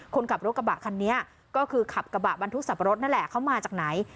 คนขับรถกระบะคันนี้ก็คือขับกระบะบรรทุกสับปะรดนั่นแหละเขามาจากไหน